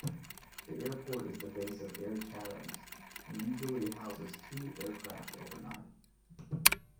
The airport is the base of Air Chathams and usually houses two aircraft overnight.